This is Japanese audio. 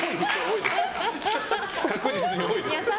確実に多いです。